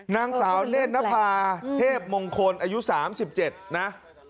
นางสาวเน่นนภาเทพมงคลอายุ๓๗นะ